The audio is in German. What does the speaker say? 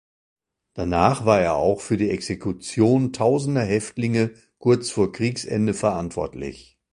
Danach war er auch für die Exekution tausender Häftlinge kurz vor Kriegsende verantwortlich.